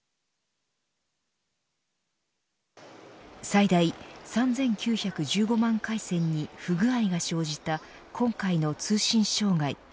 最大３９１５万回線に不具合が生じた今回の通信障害。